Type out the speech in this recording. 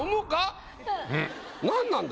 何なんだ？